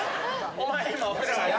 ・お前今何。